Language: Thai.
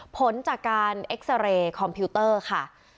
ผลจากการเอ็กซาเรย์คอมพิวเตอร์ค่ะ